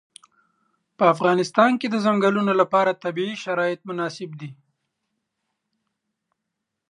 په افغانستان کې د چنګلونه لپاره طبیعي شرایط مناسب دي.